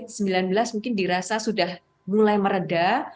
dan keadaan di indonesia sudah merasa sudah mulai meredah